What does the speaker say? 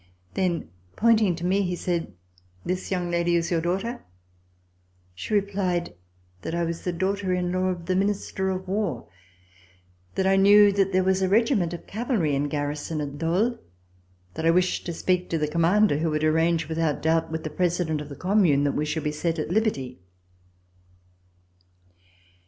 Then, pointing to me, he said: ''This young lady is your daughter?" She replied that I was the daughter in law of the Minister of War; that I knew that there was a regi ment of cavalry in garrison at Dole; that I wished to speak to the commander who would arrange, with out doubt, with the President of the Cummune that we should be set at liberty.